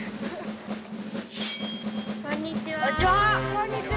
こんにちは。